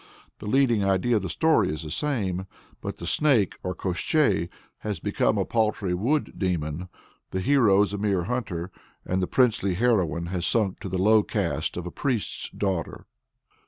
The leading idea of the story is the same, but the Snake or Koshchei has become a paltry wood demon, the hero is a mere hunter, and the princely heroine has sunk to the low estate of a priest's daughter.